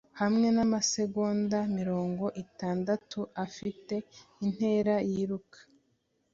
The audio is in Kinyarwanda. Hamwe namasegonda mirongo itandatu afite intera yiruka